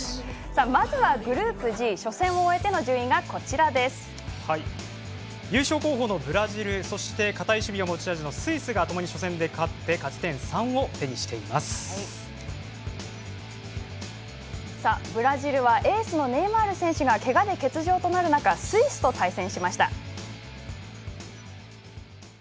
まずはグループＧ初戦を終えての順位が優勝候補のブラジルそして堅い守備が持ち味のスイスがともに初戦で勝ってさあブラジルはエースのネイマール選手がけがで欠場となる中スイスと対戦しました。